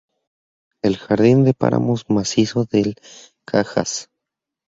El Jardín de Páramos Macizo del Cajas.